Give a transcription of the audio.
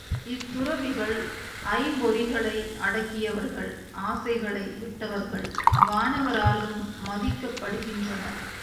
இத்துறவிகள் ஐம்பொறிகளை அடக்கியவர்கள் ஆசைகளை விட்டவர்கள் வானவராலும் மதிக்கப் படுகின்றனர்.